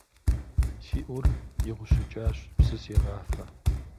Си Ӏур игъущӀыкӀащ, псы сегъафэ.